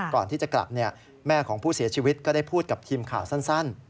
ก่อนที่จะกลับแม่ของผู้เสียชีวิตก็ได้พูดกับทีมข่าวสั้น